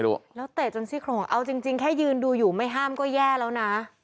แล้วเตะจนซี่โครงเอาจริงแค่ยืนดูอยู่ไม่ห้ามก็แย่แล้วนะ